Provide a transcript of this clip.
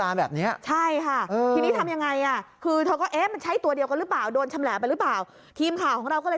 แล้วดูสิคุณ